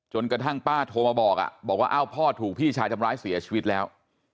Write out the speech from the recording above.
กระทั่งป้าโทรมาบอกบอกว่าอ้าวพ่อถูกพี่ชายทำร้ายเสียชีวิตแล้ว